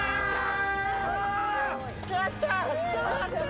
やったー！